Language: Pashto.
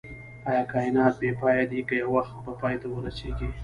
ايا کائنات بی پایه دی که يو وخت به پای ته ورسيږئ